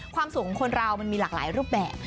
ความสุขของคนเรามันมีหลากหลายรูปแบบ